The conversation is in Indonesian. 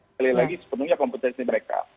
sekali lagi sepenuhnya kompetensi mereka